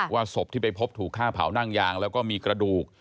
ศพที่ไปพบถูกฆ่าเผานั่งยางแล้วก็มีกระดูก